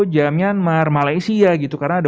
jamian malaysia gitu karena ada